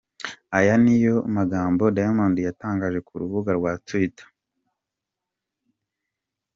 Aya niyo magambo Diamond yatangaje ku rubuga rwa twitter.